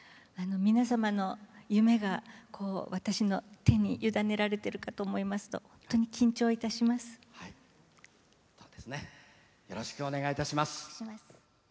皆様の夢が私の手に委ねられているかと思いますとよろしくお願いいたします。